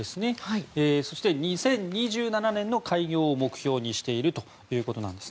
そして２０２７年の開業を目標にしているということです。